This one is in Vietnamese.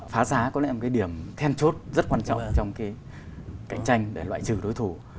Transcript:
phá giá có lẽ là một cái điểm then chốt rất quan trọng trong cái cạnh tranh để loại trừ đối thủ